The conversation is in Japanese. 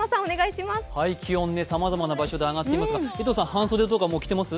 気温、さまざまな場所で上がってますが、江藤さん、半袖とか着てます？